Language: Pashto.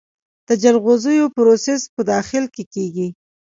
د جلغوزیو پروسس په داخل کې کیږي؟